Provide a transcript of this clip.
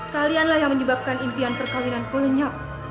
kalianlah yang menyebabkan impian perkawinanku lenyap